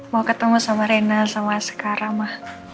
mau ketemu sama rina sama askara ma